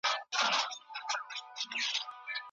مثبت فکر آرامتیا نه خرابوي.